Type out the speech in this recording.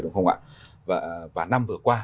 đúng không ạ và năm vừa qua